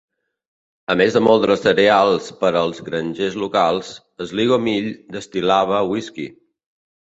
A més de moldre cereals per als grangers locals, Sligo Mill destil·lava whisky.